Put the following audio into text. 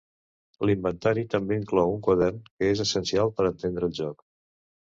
L'inventari també inclou un quadern, que és essencial per entendre el joc.